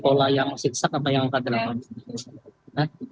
pola yang siksa sama yang kaderangan